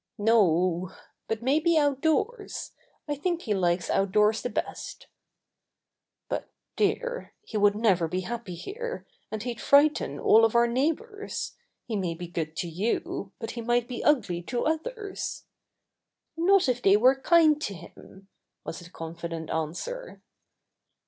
"No o, but maybe outdoors. I think he likes outdoors the best." "But, dear, he would never be happy here, and he'd frighten all of our neighbors. He may be good to you, but he might be ugly to others." "Not if they were kind to him," was the con fident answer.